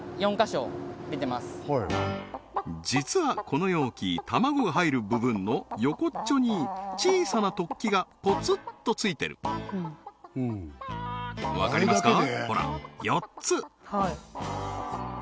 実はこの容器卵が入る部分の横っちょに小さな突起がポツッとついてるわかりますか？